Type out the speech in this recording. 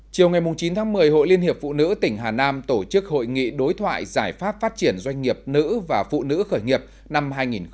chiều ngày chín tháng một mươi hội liên hiệp phụ nữ tỉnh hà nam tổ chức hội nghị đối thoại giải pháp phát triển doanh nghiệp nữ và phụ nữ khởi nghiệp năm hai nghìn một mươi chín